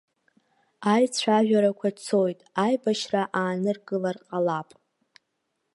Аицәажәарақәа цоит, аибашьра ааныркылар ҟалап.